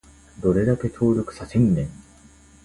どんだけ協力させんねん